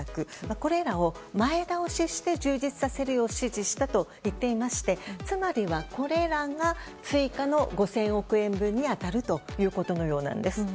これらを前倒しして充実させるよう指示したと言っていましてつまりはこれらが追加の５０００億円分に当たるということのようです。